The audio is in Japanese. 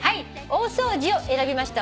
「大掃除」を選びました